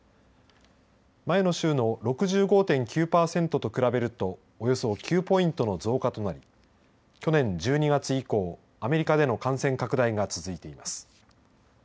前の週の６５．９％と比べるとおよそ９ポイントの増加となり去年１２月以降、アメリカでの感染拡大が続いています。